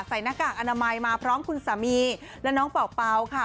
หน้ากากอนามัยมาพร้อมคุณสามีและน้องเป่าค่ะ